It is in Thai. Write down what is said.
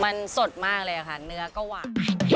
มันสดมากเลยค่ะเนื้อก็หวาน